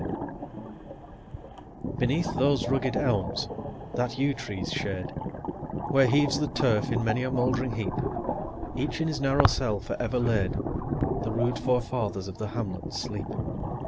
Beneath those rugged elms, that yew tree's shade, Where heaves the turf in many a mouldering heap, Each in his narrow cell forever laid, 15 The rude forefathers of the hamlet sleep.